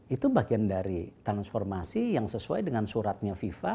itu bagian dari transformasi yang sesuai dengan suratnya fifa